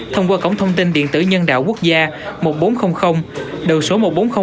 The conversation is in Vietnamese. thông qua cổng thông tin điện tử nhân đạo quốc gia một nghìn bốn trăm linh đầu số một nghìn bốn trăm linh